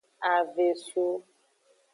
Avesu.